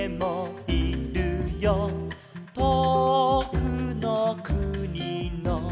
「とおくのくにの」